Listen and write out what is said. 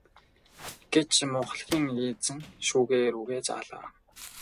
гэж мухлагийн эзэн шүүгээ рүүгээ заалаа.